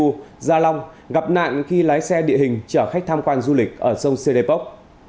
thác đô rai nụ gia long gặp nạn khi lái xe địa hình chở khách tham quan du lịch ở sông sê đê pốc